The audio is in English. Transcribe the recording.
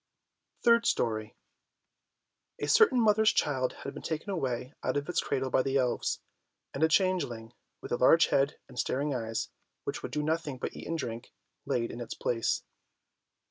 THIRD STORY A certain mother's child had been taken away out of its cradle by the elves, and a changeling with a large head and staring eyes, which would do nothing but eat and drink, laid in its place.